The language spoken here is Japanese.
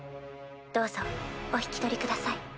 どうぞお引き取りください。